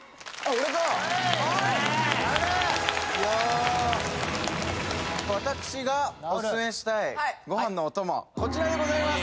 俺かいやあ私がオススメしたいご飯のお供こちらでございます